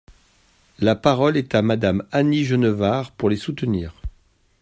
La parole est à Madame Annie Genevard, pour les soutenir.